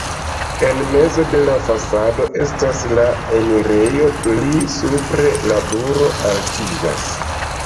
En mezo de la fasado estas la enirejo, pli supre la turo altiĝas.